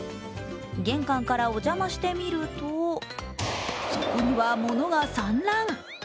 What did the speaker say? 玄関からお邪魔してみると、そこにもは物が散乱。